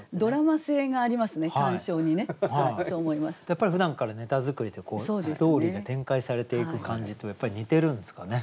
やっぱりふだんからネタ作りでこうストーリーが展開されていく感じとやっぱり似てるんですかね。